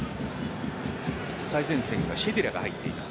最前線がシェディラが入っています。